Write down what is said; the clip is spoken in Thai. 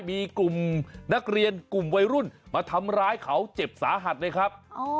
มีกลุ่มนักเรียนกลุ่มวัยรุ่นมาทำร้ายเขาเจ็บสาหัสเลยครับ